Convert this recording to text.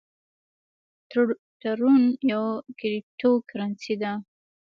ټرون یوه کریپټو کرنسي ده